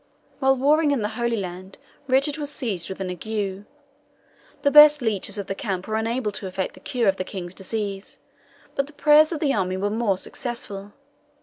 While warring in the Holy Land, Richard was seized with an ague. The best leeches of the camp were unable to effect the cure of the King's disease; but the prayers of the army were more successful.